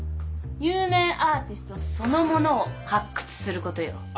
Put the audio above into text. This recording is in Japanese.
有名アーティストそのものを発掘することよ。